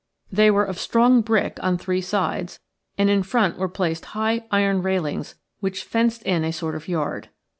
They were of strong brick on three sides, and in front were placed high iron railings which fenced in a sort of yard.